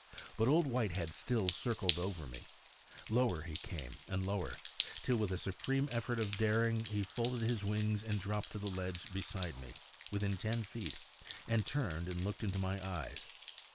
But Old Whitehead still circled over me. Lower he came, and lower, till with a supreme effort of daring he folded his wings and dropped to the ledge beside me, within ten feet, and turned and looked into my eyes.